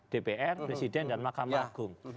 dpr presiden dan mahkamah agung